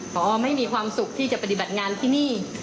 พอไม่มีความสุขที่จะปฏิบัติงานที่นี่